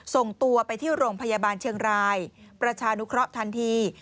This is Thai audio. ส่งตัวไปที่โรงพยาบาลเชียงรายประชานุเคราะห์ทันที